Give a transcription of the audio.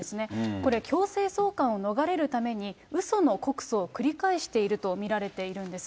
これ、強制送還を逃れるために、うその告訴を繰り返していると見られているんです。